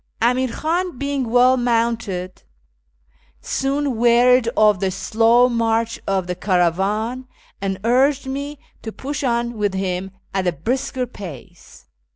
Amir Khan, being well mounted, soon wearied of the slow march of the caravan, and urged me to push on with him at a brisker pace.